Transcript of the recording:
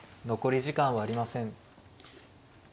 残り時間はありません。